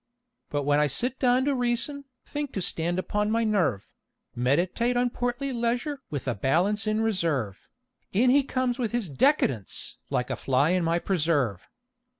But when I sit down to reason, think to stand upon my nerve, Meditate on portly leisure with a balance in reserve, In he comes with his "Decadence!" like a fly in my preserve.